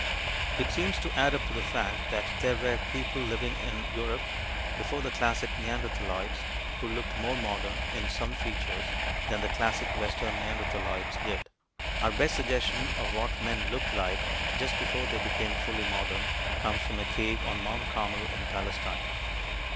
It seems to add up to the fact that there were people living in Europe before the classic neanderthaloids who looked more modern, in some features, than the classic western neanderthaloids did. Our best suggestion of what men looked like just before they became fully modern comes from a cave on Mount Carmel in Palestine.